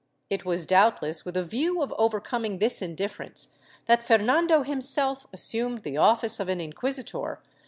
^ It was doubtless with a view of over coming this indifference that Fernando himself assumed the office * Archive de Simancas, Inq., Lib. 890.